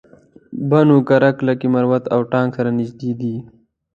بنو کرک لکي مروت او ټانک سره نژدې دي